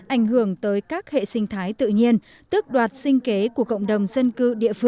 ảnh hưởng tới các hệ sinh thái tự nhiên tức đoạt sinh kế của cộng đồng dân cư địa